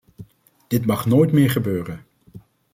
Dit mag nooit meer gebeuren.